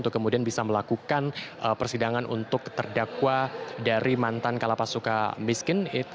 kemudian bisa melakukan persidangan untuk terdakwa dari mantan kalapas suka miskin